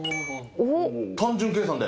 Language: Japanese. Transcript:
単純計算で。